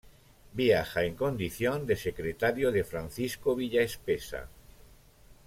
Viaja en condición de secretario de Francisco Villaespesa.